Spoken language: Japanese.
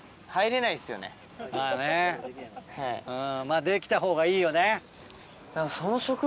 まぁできたほうがいいよね。